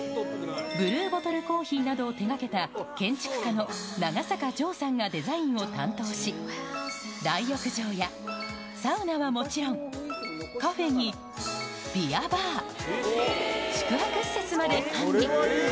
ブルーボトルコーヒーなどを手がけた建築家の長坂常さんがデザインを担当し、大浴場やサウナはもちろん、カフェにビアバー、宿泊施設まで完備。